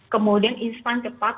kemudian inspan cepat